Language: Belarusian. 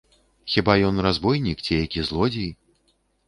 Хіба ён разбойнік ці які злодзей?